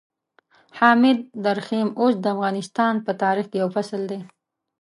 حامد درخيم اوس د افغانستان په تاريخ کې يو فصل دی.